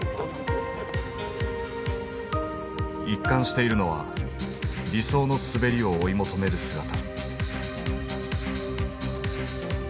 一貫しているのは理想の滑りを追い求める姿。